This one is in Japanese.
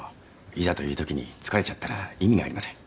いざというときに疲れちゃったら意味がありません。